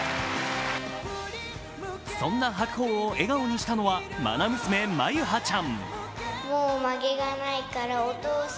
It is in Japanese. そんな白鵬を笑顔にしたのはまな娘・眞結羽ちゃん。